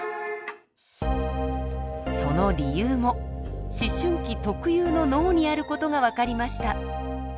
その理由も思春期特有の脳にある事が分かりました。